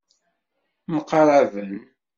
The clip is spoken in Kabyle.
Mqaraben.